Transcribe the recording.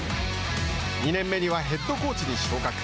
２年目にはヘッドコーチに昇格。